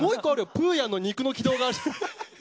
『プーヤン』の肉の軌道が。